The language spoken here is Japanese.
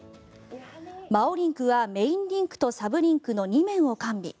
ＭＡＯＲＩＮＫはメインリンクとサブリンクの２面を完備。